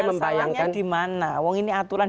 penyelesaiannya di mana wang ini aturan